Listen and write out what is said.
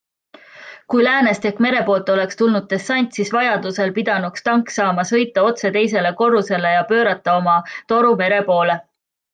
Kui läänest ehk mere poolt oleks tulnud dessant, siis vajadusel pidanuks tank saama sõita otse teisele korrusele ja pöörata oma toru mere poole.